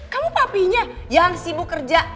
kamu papinya yang sibuk kerja